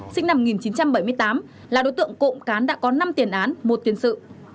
sinh năm một nghìn chín trăm bảy mươi tám là đối tượng cộng cán đã có năm tiền án một tiền sự